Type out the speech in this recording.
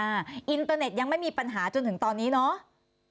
อินเตอร์เน็ตยังไม่มีปัญหาจนถึงตอนนี้เนาะ